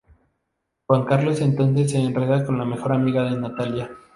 Juan Carlos entonces se enreda con la mejor amiga de Natalia.